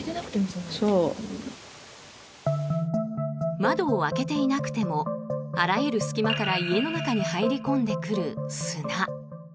窓を開けていなくてもあらゆる隙間から家の中に入り込んでくる砂。